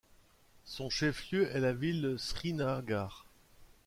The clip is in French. Son chef-lieu est la ville de Srinagar.